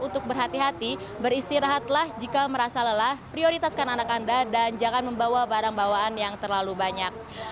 untuk berhati hati beristirahatlah jika merasa lelah prioritaskan anak anda dan jangan membawa barang bawaan yang terlalu banyak